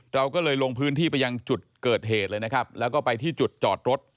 เราก็เลยลงพื้นที่ไปยังจุดเกิดเหตุเลยนะครับแล้วก็ไปที่จุดจอดรถ